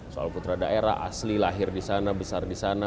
soal putra daerah asli lahir di sana besar di sana